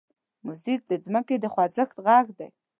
موزیک د ځمکې د خوځښت غږ دی.